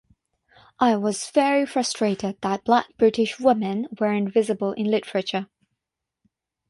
I was very frustrated that black British women weren’t visible in literature.